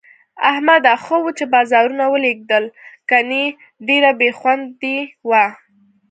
احمده! ښه وو چې بازارونه ولږېدل، گني ډېره بې خوندي وه.